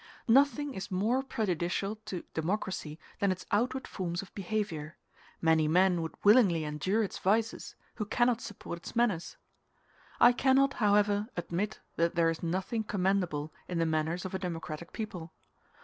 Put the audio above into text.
Nothing is more prejudicial to democracy than its outward forms of behavior: many men would willingly endure its vices, who cannot support its manners. I cannot, however, admit that there is nothing commendable in the manners of a democratic people.